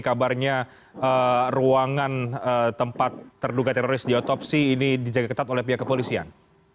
kabarnya ruangan tempat terduga teroris diotopsi ini dijaga ketat oleh pihak kepolisian